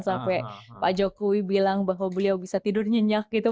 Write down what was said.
sampai pak jokowi bilang bahwa beliau bisa tidur nyenyak gitu